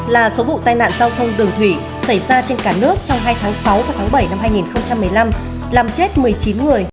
là số vụ tai nạn giao thông đường thủy xảy ra trên cả nước trong hai tháng sáu và tháng bảy năm hai nghìn một mươi năm làm chết một mươi chín người